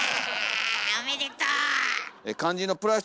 おめでとう。